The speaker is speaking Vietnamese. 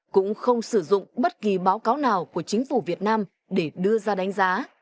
cũng không sử dụng bất kỳ báo cáo nào của chính phủ việt nam để đưa ra đánh giá